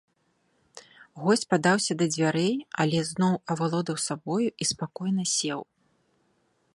Госць падаўся да дзвярэй, але зноў авалодаў сабою і спакойна сеў.